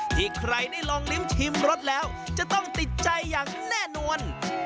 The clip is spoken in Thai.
ที่ใครได้ลองลิ้มชิมรสแล้วจะต้องติดใจอย่างแน่นอน